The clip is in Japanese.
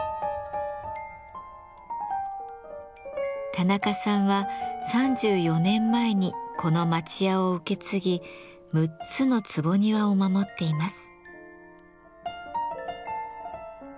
田中さんは３４年前にこの町家を受け継ぎ６つの坪庭を守っています。